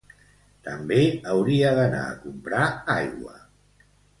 També hauria d'anar a comprar aigua